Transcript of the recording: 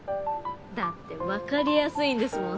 だって分かりやすいんですもん